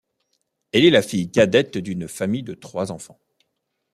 Elle est la fille cadette d'une famille de trois enfants.